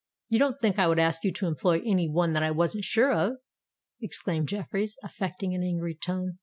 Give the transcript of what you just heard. "You don't think I would ask you to employ any one that I wasn't sure of?" exclaimed Jeffreys, affecting an angry tone.